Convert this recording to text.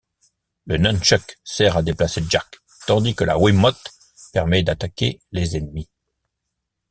Le Nunchuck sert à déplacer Jack, tandis que la Wiimote permet d'attaquer les ennemis.